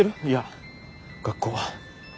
いや学校は。